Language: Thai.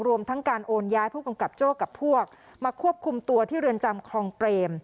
รวมทั้งการโอนย้ายผู้กำกับโจ้กับพวกมาควบคุมตัวที่เรือนจำคลองเปรม